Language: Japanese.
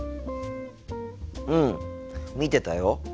うん見てたよ。